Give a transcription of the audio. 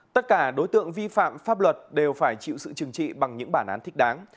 tất cả đối tượng vi phạm pháp luật đều phải chịu sự trừng trị bằng những bản án thích đáng